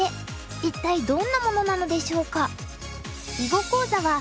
一体どんなものなのでしょうか？